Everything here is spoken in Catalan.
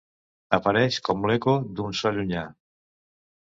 Apareix com l'eco d'un so llunyà.